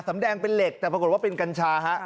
แดงเป็นเหล็กแต่ปรากฏว่าเป็นกัญชาฮะ